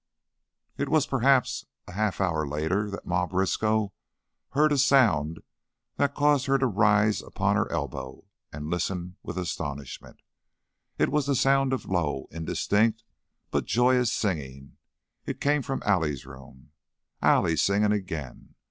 It was perhaps a half hour later that Ma Briskow heard a sound that caused her to rise upon her elbow and listen with astonishment. It was the sound of low, indistinct, but joyous singing; it came from Allie's room. Allie singing again!